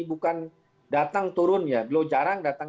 bukan datang turun ya beliau jarang datang